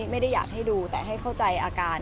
ไม่ได้อยากให้ดูแต่ให้เข้าใจอาการ